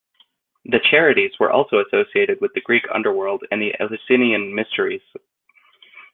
The Charites were also associated with the Greek underworld and the Eleusinian Mysteries.